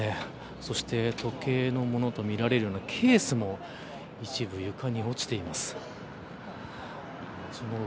そして時計のものとみられるケースも一部、床に落ちています。